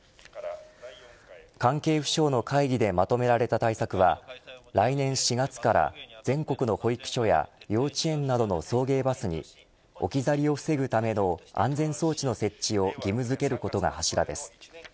関係府省の会議でまとめられた対策は来年４月から全国の保育所や幼稚園などの送迎バスに置き去りを防ぐための安全装置の設置を義務づけることが柱です。